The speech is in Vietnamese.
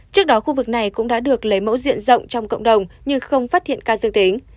trước đó khu vực này cũng đã được lấy mẫu diện rộng trong cộng đồng nhưng không phát hiện ca dương tính